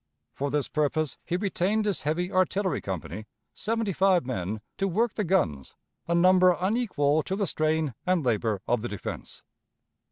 For this purpose he retained his heavy artillery company seventy five men to work the guns, a number unequal to the strain and labor of the defense.